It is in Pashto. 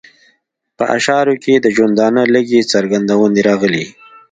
په اشعارو کې یې د ژوندانه لږې څرګندونې راغلې.